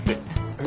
え？